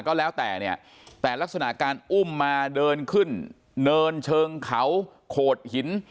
ก็แล้วแต่เนี่ยแต่ลักษณะการอุ้มมาเดินขึ้นเนินเชิงเขาโขดหิน